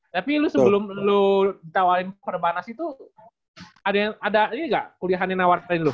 tapi lu sebelum lu ditawarin perbanas itu ada ini ga kuliahannya nawarin lu